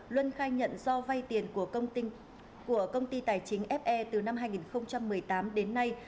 luân khai nhận do vay tiền của công ty tài chính fe từ năm hai nghìn một mươi tám đến nay